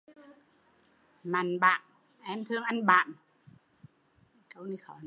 Mạnh bãm! Em thương anh bãm